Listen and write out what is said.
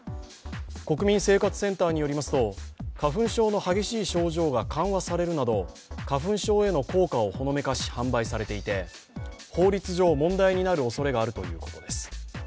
国民生活センターによりますと花粉症の激しい症状が緩和されるなど花粉症への効果をほのめかし販売されていて、法律上、問題になるおそれがあるということです。